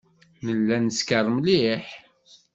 Nella neskeṛ mliḥ.